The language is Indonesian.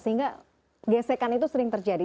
sehingga gesekan itu sering terjadi